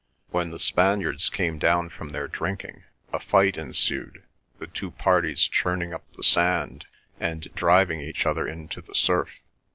When the Spaniards came down from their drinking, a fight ensued, the two parties churning up the sand, and driving each other into the surf.